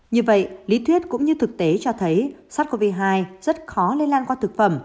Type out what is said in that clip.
như vậy lý thuyết cũng như thực tế cho thấy sars cov hai rất khó lây lan qua thực phẩm